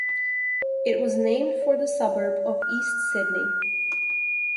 It was named for the suburb of East Sydney.